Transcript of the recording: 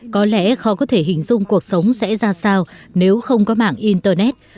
có lẽ khó có thể hình dung cuộc sống sẽ ra sao nếu không có mạng internet